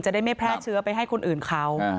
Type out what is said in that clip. ได้ไม่แพร่เชื้อไปให้คนอื่นเขา